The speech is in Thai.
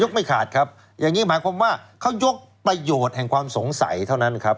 ไม่ขาดครับอย่างนี้หมายความว่าเขายกประโยชน์แห่งความสงสัยเท่านั้นครับ